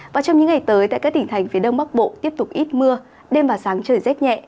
và trong những ngày tới tại các tỉnh thành phía đông bắc bộ tiếp tục ít mưa đêm và sáng trời rét nhẹ